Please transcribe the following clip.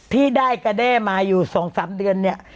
ที่ได้กระแด้มาอยู่๒๓เดือนเนี่ย